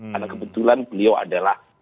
karena kebetulan beliau adalah